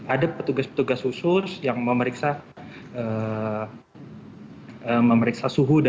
ada petugas petugas khusus yang memeriksa suhu